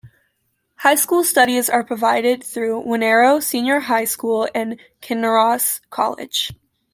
High school studies are provided through Wanneroo Senior High School and Kinross College.